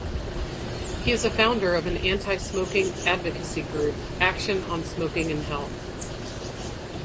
He is the founder of an antismoking advocacy group, Action on Smoking and Health.